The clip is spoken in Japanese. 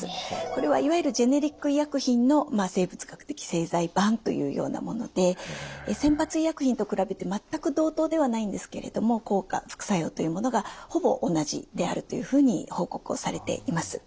これはいわゆるジェネリック医薬品の生物学的製剤版というようなもので先発医薬品と比べて全く同等ではないんですけれども効果副作用というものがほぼ同じであるというふうに報告をされています。